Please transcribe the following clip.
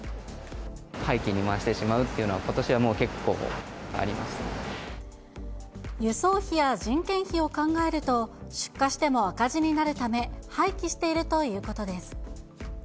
廃棄に回してしまうっていう輸送費や人件費を考えると、出荷しても赤字になるため、廃棄しているということです。